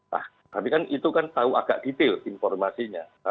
nah tapi kan itu kan tahu agak detail informasinya